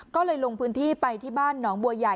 ก็เลยลงพื้นที่ไปที่บ้านหนองบัวใหญ่